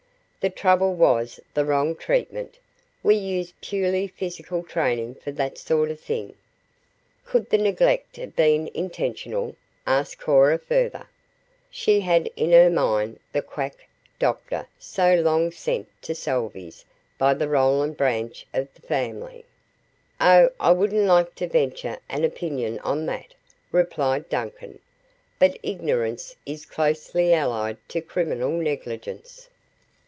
The trouble was the wrong treatment. We use purely physical training for that sort of thing." "Could the neglect have been intentional?" asked Cora further. She had in mind the "quack" doctor so long sent to Salveys' by the Roland branch of the family. "Oh, I wouldn't like to venture an opinion on that," replied Duncan, "but ignorance is closely allied to criminal negligence."